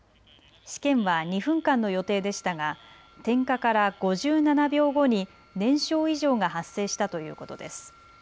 試験は２分間の予定でしたが点火から５７秒後に燃焼異常が発生したということです。